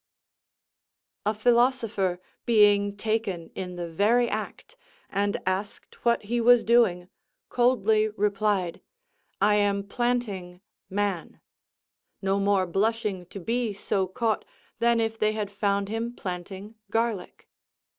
A philosopher being taken in the very act, and asked what he was doing, coldly replied, "I am planting man;" no more blushing to be so caught than if they had found him planting garlic.